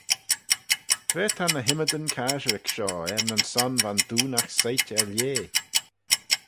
Cre ta ny h-ymmydyn casherick shoh er nyn son va'n doonaght soit er lheh?